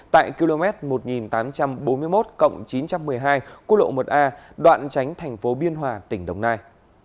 tại km một nghìn tám trăm bốn mươi một chín trăm một mươi hai quốc lộ một a đoạn tránh thành phố biên hòa tỉnh đồng nai